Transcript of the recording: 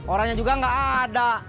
orangnya juga nggak ada